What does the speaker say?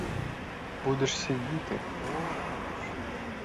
Будеш сидіти, — о, будеш!